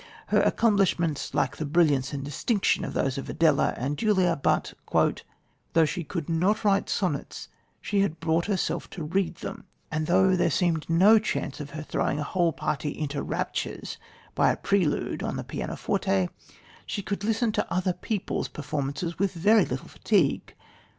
Her accomplishments lack the brilliance and distinction of those of Adela and Julia, but, "Though she could not write sonnets she brought herself to read them; and though there seemed no chance of her throwing a whole party into raptures by a prelude on the pianoforte, she could listen to other people's performances with very little fatigue.